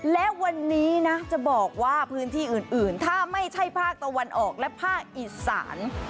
และวันนี้นะจะบอกว่าพื้นที่อื่นถ้าไม่ใช่ภาคตะวันออกและภาคอีสาน